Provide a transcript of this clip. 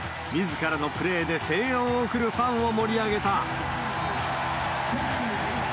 みずからのプレーで声援を送るファンを盛り上げた。